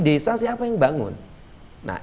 desa siapa yang bangun nah